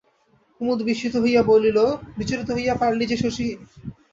কুমুদ বিস্মিত হইয়া বলিল, বিচলিত হইয়া পরলি যে শশী?